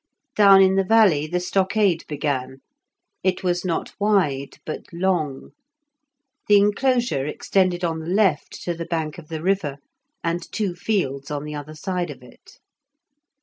Down in the valley the stockade began; it was not wide but long. The enclosure extended on the left to the bank of the river, and two fields on the other side of it.